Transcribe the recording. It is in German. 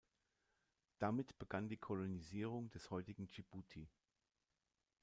Damit begann die Kolonisierung des heutigen Dschibuti.